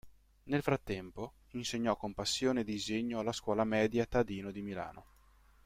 Nel frattempo, insegnò con passione disegno alla Scuola Media Tadino di Milano.